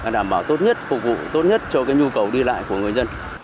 đảm bảo tốt nhất phục vụ tốt nhất cho nhu cầu đi lại của người dân